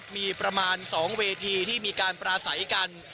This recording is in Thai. มีประมาณ๒เวทีที่มีการปราศัยกัน